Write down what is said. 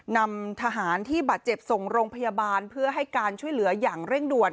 นำทหารที่บาดเจ็บส่งโรงพยาบาลเพื่อให้การช่วยเหลืออย่างเร่งด่วน